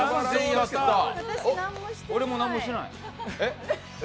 俺も何もしてない。